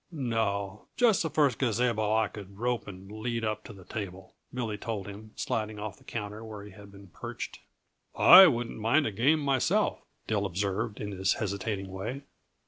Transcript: "No just the first gazabo I could rope and lead up to the table," Billy told him, sliding off the counter where he had been perched. "I wouldn't mind a game myself," Dill observed, in his hesitating way.